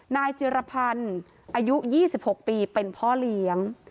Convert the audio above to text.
นายเจรพรอายุ๒๖ปีเป็นพ่อเลี้ยง